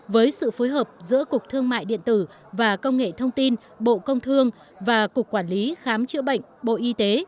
với sự phối hợp giữa cục thương mại điện tử và công nghệ thông tin bộ công thương và cục quản lý khám chữa bệnh bộ y tế